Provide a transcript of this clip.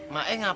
mas sini kak